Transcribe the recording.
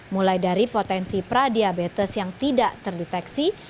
mulai dari potensi pradiabetes yang tidak terdeteksi